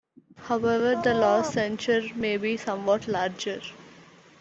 However, the lost centaur may be somewhat larger.